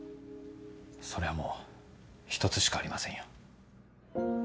そりゃもう１つしかありませんよ。